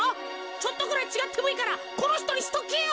ちょっとぐらいちがってもいいからこのひとにしとけよ。